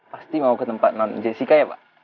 pasti mau ke tempat non jessica ya pak